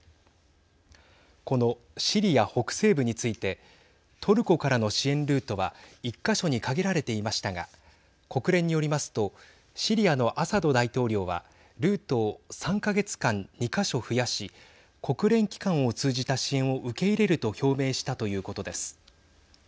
このシリア北西部についてトルコからの支援ルートは１か所に限られていましたが国連によりますとシリアのアサド大統領はルートを３か月間２か所増やし国連機関を通じた支援を受け入れると表明したということです。